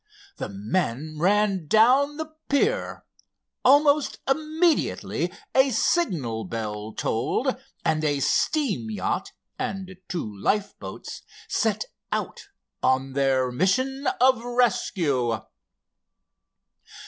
The men ran down the pier. Almost immediately a signal bell tolled, and a steam yacht, and two lifeboats, set out on their mission of rescue.